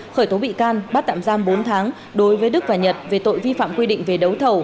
khởi tố bị can bắt tạm giam bốn tháng đối với đức và nhật về tội vi phạm quy định về đấu thầu